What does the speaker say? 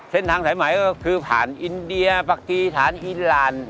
เส้นทางสายใหม่ก็คือผ่านอินเดียปะกรีทางอินรัน